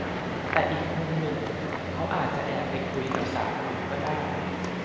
แต่อีกมุมหนึ่งเขาอาจจะแอบไปคุยกับสาวอื่นก็ได้